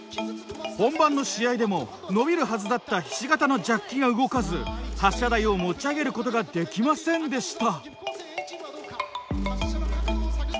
本番の試合でも伸びるはずだったひし形のジャッキが動かず発射台を持ち上げることができませんでした。